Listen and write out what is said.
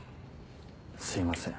すいません。